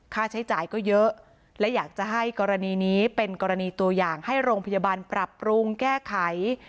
ค่าใช้จ่ายก็เยอะและอยากจะให้กรณีนี้เป็นกรณีตัวอย่างให้โรงพยาบาลปรับปรุงแก้ไข